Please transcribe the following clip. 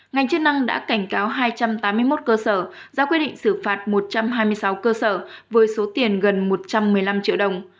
ngành chức năng đã cảnh cáo hai trăm tám mươi một cơ sở ra quy định xử phạt một trăm hai mươi sáu cơ sở với số tiền gần một trăm một mươi năm triệu đồng